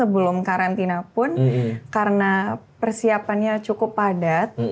sebelum karantina pun karena persiapannya cukup padat